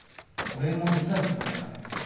俺も手伝うつもりだったんだけどさ